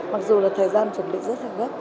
mặc dù là thời gian chuẩn bị rất là gấp